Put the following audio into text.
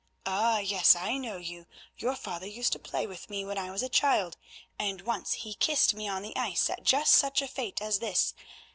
Oh, yes, I know you; your father used to play with me when I was a child, and once he kissed me on the ice at just such a fete as this.